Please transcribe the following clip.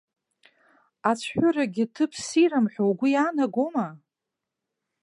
Ацәҳәырагьы ҭыԥ ссирым ҳәа угәы иаанагома?